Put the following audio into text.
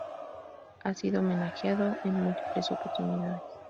Ha sido homenajeado en múltiples oportunidades.